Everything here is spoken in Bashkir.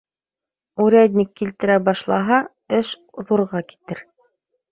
Урядник килтертә башлаһа, эш ҙурға китер.